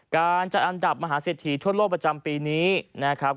การจัดอันดับมหาเศรษฐีทั่วโลกประจำปีนี้นะครับ